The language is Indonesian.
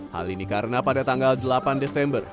hal ini karena pada tanggal delapan desember